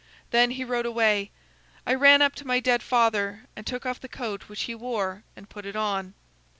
Then he rode away. I ran up to my dead father and took off the coat which he wore and put it on.